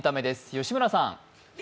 吉村さん。